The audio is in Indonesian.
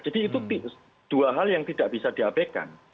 jadi itu dua hal yang tidak bisa di apbd kan